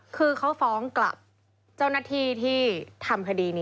คือเขาฟ้องกลับเจ้าหน้าที่ที่ทำคดีนี้